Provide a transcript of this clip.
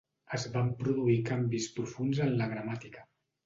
Es van produir canvis profunds en la gramàtica.